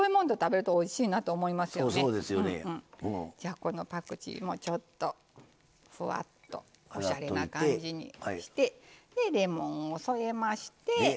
このパクチーもちょっとふわっとおしゃれな感じにしてレモンを添えまして。